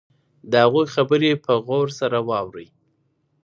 د هغوی خبرې په غور سره واورئ.